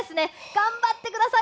頑張ってください。